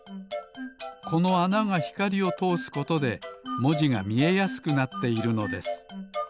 このあながひかりをとおすことでもじがみえやすくなっているのです。